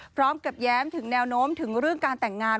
แย้มถึงแนวโน้มถึงเรื่องการแต่งงาน